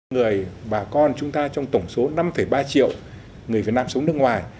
người bà con chúng ta trong tổng số năm ba triệu người việt nam sống nước ngoài